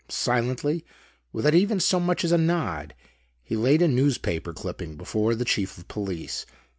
Silently, without even so much as a nod, he laid a newspaper clipping before the Chief of Police.